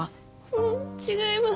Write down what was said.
ううん違います。